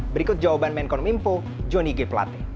berikut jawaban menkon mimpo johnny g pelate